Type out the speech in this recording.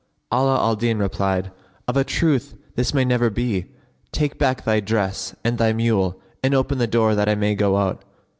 '" Ala al Din replied, "Of a truth this may never be, take back thy dress and thy mule and open the door that I may go out."